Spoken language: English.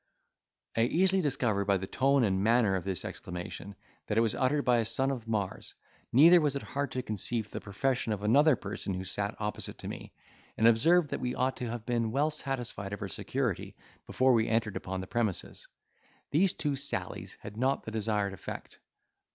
I easily discovered by the tone and matter of this exclamation that it was uttered by a son of Mars; neither was it hard to conceive the profession of another person who sat opposite to me, and observed that we ought to have been well satisfied of our security before we entered upon the premises. These two sallies had not the desired effect.